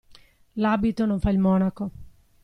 L'abito non fa il monaco.